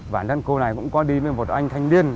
bản thân cô này cũng có đi với một anh thanh niên